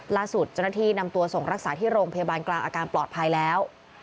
ล่าสุดเจ้าหน้าที่นำตัวส่งรักษาที่โรงพยาบาลกลางอาการปลอดภัยแล้ว